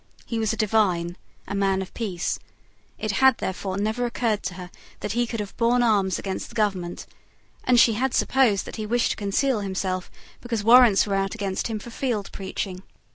He was a divine, a man of peace. It had, therefore, never occurred to her that he could have borne arms against the government; and she had supposed that he wished to conceal himself because warrants were out against him for field preaching.